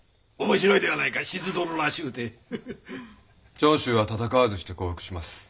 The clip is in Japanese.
長州は戦わずして降伏します。